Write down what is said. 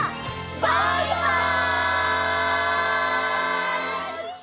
バイバイ！